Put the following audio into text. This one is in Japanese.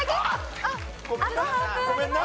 ありがとうございます。